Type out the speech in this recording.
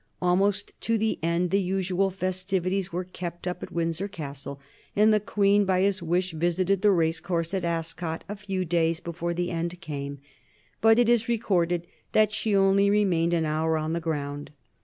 Almost to the end the usual festivities were kept up at Windsor Castle, and the Queen, by his wish, visited the race course at Ascot a few days before the end came; but it is recorded that she only remained an hour on the ground.